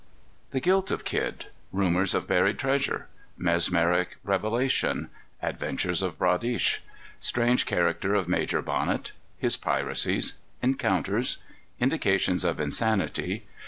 _ The Guilt of Kidd. Rumors of Buried Treasure. Mesmeric Revelation. Adventures of Bradish. Strange Character of Major Bonnet. His Piracies. Encounters. Indications of Insanity.